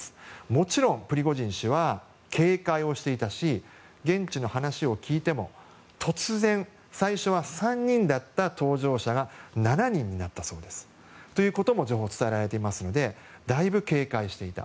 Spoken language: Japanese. もちろん、プリゴジン氏は警戒をしていたし現地の話を聞いても突然、最初は３人だった搭乗者が７人になったという情報も伝えられていますのでだいぶ警戒していた。